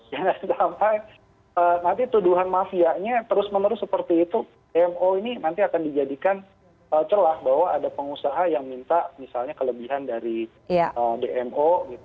jangan sampai nanti tuduhan mafianya terus menerus seperti itu dmo ini nanti akan dijadikan celah bahwa ada pengusaha yang minta misalnya kelebihan dari dmo